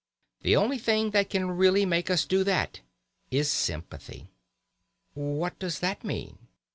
The only thing that can really make us do that is sympathy." "What does that mean?"